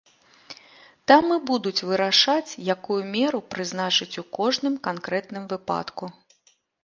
Там і будуць вырашаць, якую меру прызначыць у кожным канкрэтным выпадку.